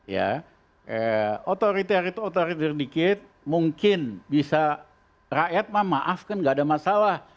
ya otoriter itu otoriter dikit mungkin bisa rakyat mah maafkan enggak ada masalah